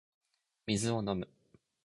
水を飲む